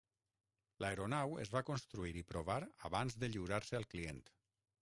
L'aeronau es va construir i provar abans de lliurar-se al client.